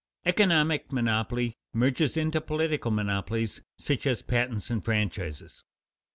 Economic monopoly merges into political monopolies, such as patents and franchises.